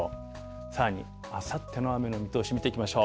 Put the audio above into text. さらにあさっての雨の見通し、見ていきましょう。